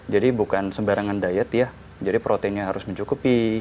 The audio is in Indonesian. jadi bukan sembarangan diet ya jadi proteinnya harus mencukupi